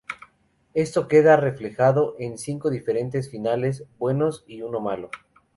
Esto queda reflejado en cinco diferentes finales buenos y uno malo.